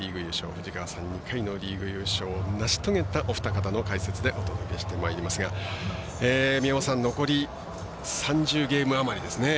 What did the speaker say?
藤川さん、２回のリーグ優勝を成し遂げたお二方の解説でお届けしてまいりますが宮本さん残り３０ゲーム余りですね。